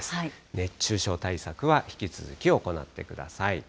熱中症対策は引き続き行ってください。